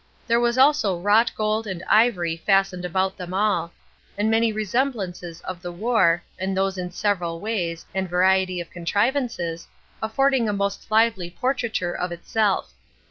There was also wrought gold and ivory fastened about them all; and many resemblances of the war, and those in several ways, and variety of contrivances, affording a most lively portraiture of itself.